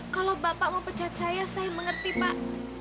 kalau bapak mau pecat saya saya mengerti pak